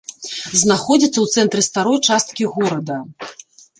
Знаходзіцца ў цэнтры старой часткі горада.